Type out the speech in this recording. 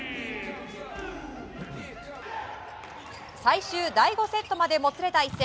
最終第５セットまでもつれた一戦。